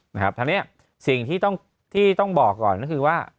นะครับทันเนี่ยสิ่งที่ต้องบอกก่อนนี่คือว่า